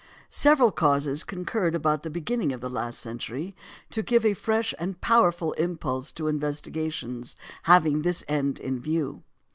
Several causes concurred about the beginning of the last century to give a fresh and powerful impulse to investigations having this end in view.